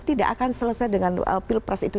tidak akan selesai dengan pilpres itu